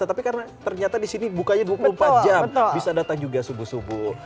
tetapi karena ternyata disini bukanya dua puluh empat jam bisa datang juga subuh subuh